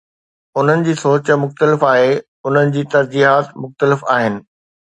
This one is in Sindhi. انهن جي سوچ مختلف آهي، انهن جي ترجيحات مختلف آهن.